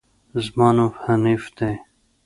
زما نوم حنيف ده